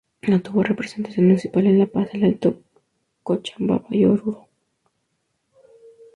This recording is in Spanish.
Obtuvo representación municipal en La Paz, El Alto, Cochabamba y Oruro.